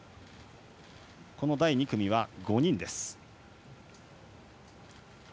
第２組は５人です。